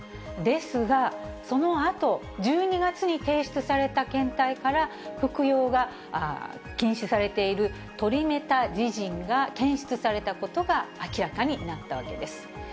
ですが、そのあと、１２月に提出された検体から、服用が禁止されているトリメタジジンが検出されたことが明らかになったわけです。